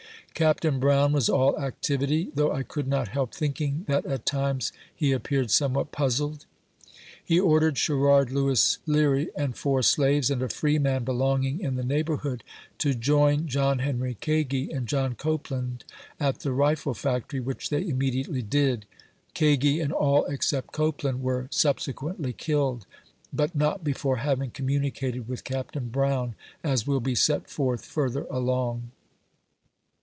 Capt. Brown was alt activity, though I could not help thinking that at times he appeared somewhat puzzled. He ordered Sherrard Lewis Leary, and four slaves, and a free man belonging in the neighborhood, to join John Henry Kagi and John Copeland at the rifle factory, which they imme diately did. Kagi, and all except Copeland, were subse quently killed, but not before having communicated with Capt. Brown, as will be set forth further along.